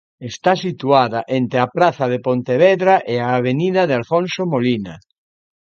Está situada entre a a praza de Pontevedra e a Avenida de Alfonso Molina.